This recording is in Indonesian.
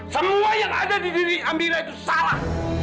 semua yang ada di diri ambira itu salah